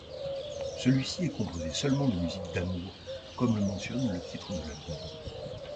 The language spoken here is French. Celui-ci est composé seulement de musiques d'amour, comme le mentionne le titre de l'album.